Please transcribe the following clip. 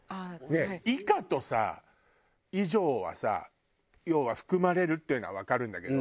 「以下」とさ「以上」はさ要は含まれるっていうのはわかるんだけど。